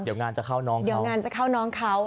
เดี๋ยวงานจะเข้าน้องเขา